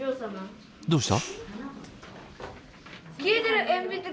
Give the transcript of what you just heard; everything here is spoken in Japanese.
どうした？